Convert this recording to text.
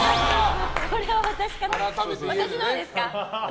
それは私のほうですか。